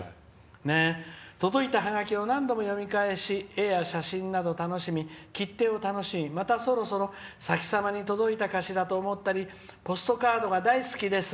「届いたハガキを何度も読み返し絵や写真を楽しみ切手を楽しみそろそろ先様に届いたかしらと思ったりポストカードが大好きです。